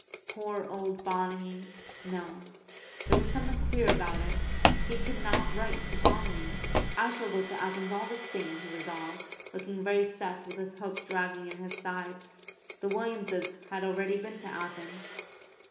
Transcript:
Poor old Bonamy! No; there was something queer about it. He could not write to Bonamy. "I shall go to Athens all the same," he resolved, looking very set, with this hook dragging in his side. The Williamses had already been to Athens.